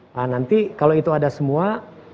nah nanti kalau itu ada semua